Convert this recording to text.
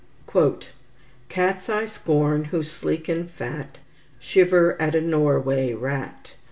"Cats I scorn, who, sleek and fat, Shiver at a Norway rat.